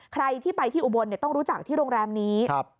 ใครที่ไปที่อุบลต้องรู้จักที่โรงแรมนี้